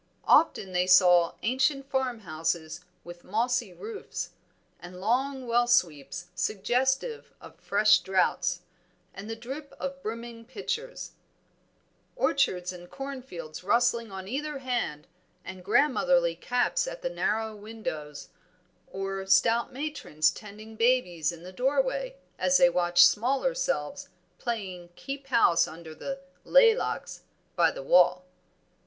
Often they saw ancient farm houses with mossy roofs, and long well sweeps suggestive of fresh draughts, and the drip of brimming pitchers; orchards and cornfields rustling on either hand, and grandmotherly caps at the narrow windows, or stout matrons tending babies in the doorway as they watched smaller selves playing keep house under the "laylocks" by the wall.